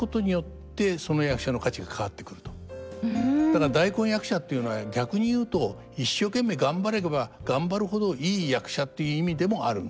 だから大根役者っていうのは逆に言うと一生懸命頑張れば頑張るほどいい役者っていう意味でもあるんだよと。